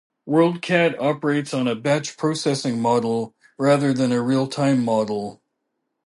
WorldCat operates on a batch processing model rather than a real-time model.